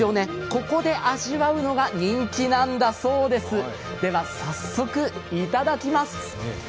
ここで味わうのが人気なんだそうです、では早速いただきます。